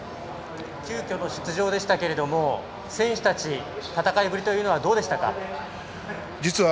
急きょの出場でしたけども選手たち、戦いぶりはどうでしたか。